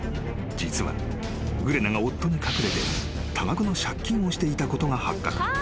［実はグレナが夫に隠れて多額の借金をしていたことが発覚］